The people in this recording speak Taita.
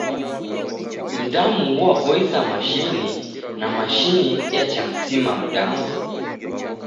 Mdamu uaboisa mashini, na mashini iachamsima mdamu!